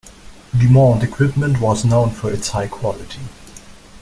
DuMont equipment was known for its high quality.